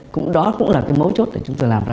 cũng đó cũng là cái mấu chốt để chúng tôi làm ra